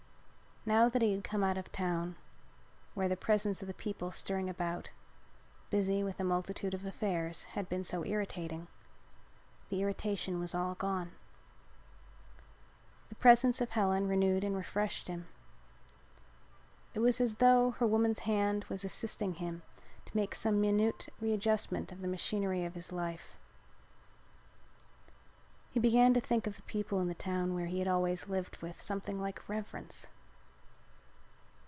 Now that he had come out of town where the presence of the people stirring about, busy with a multitude of affairs, had been so irritating, the irritation was all gone. The presence of Helen renewed and refreshed him. It was as though her woman's hand was assisting him to make some minute readjustment of the machinery of his life. He began to think of the people in the town where he had always lived with something like reverence.